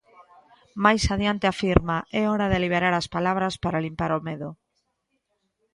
Máis adiante afirma: "É hora de liberar as palabras para limpar o medo".